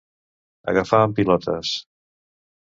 Agafar en pilotes.